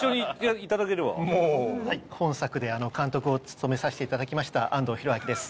今作で監督を務めさせていただきました安藤裕章です。